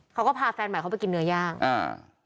เขาก็พาแฟนใหม่เขาไปกินเนื้อย่างอ่า